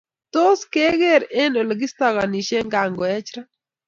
Tos keeger eng olekistaganishe kangoech ra?